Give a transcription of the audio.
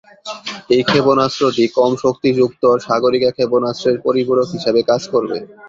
এই ক্ষেপণাস্ত্রটি কম শক্তি যুক্ত সাগরিকা ক্ষেপণাস্ত্রের পরিপূরক হিসাবে কাজ করবে।